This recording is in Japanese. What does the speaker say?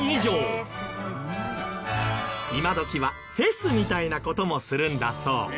今どきはフェスみたいな事もするんだそう。